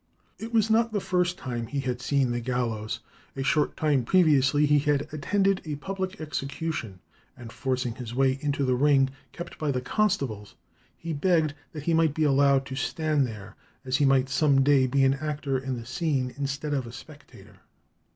It was not the first time he had seen the gallows. A short time previously he had attended a public execution, and forcing his way into the ring kept by the constables, begged that he might be allowed to stand there, as he might some day be an actor in the scene instead of a spectator.